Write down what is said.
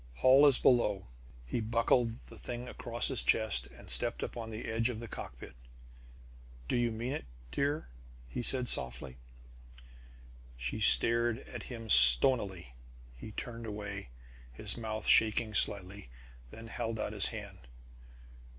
"Holl is below." He buckled the thing across his chest and stepped up on the edge of the cockpit. "Do you mean it, dear?" said he softly. She stared at him stonily. He turned away, his mouth shaking slightly, then held out his hand.